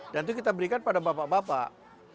dan itu kita berikan kepada bapak bapak